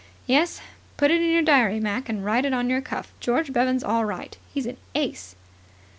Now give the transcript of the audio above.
Yes. Put it in your diary, Mac, and write it on your cuff, George Bevan's all right. He's an ace."